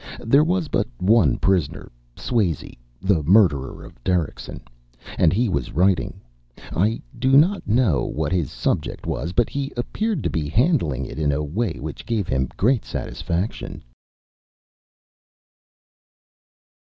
There was but one prisoner Swazey, the murderer of Derrickson and he was writing; I do not know what his subject was, but he appeared to be handling it in a way which gave him great satisfaction....